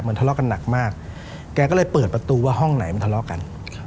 ทะเลาะกันหนักมากแกก็เลยเปิดประตูว่าห้องไหนมันทะเลาะกัน